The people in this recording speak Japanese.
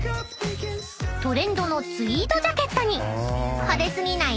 ［トレンドのツイードジャケットに派手過ぎない